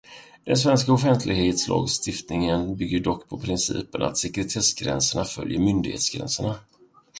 Den svenska offentlighetslagstiftningen bygger dock på principen att sekretessgränserna följer myndighetsgränserna.